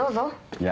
いや。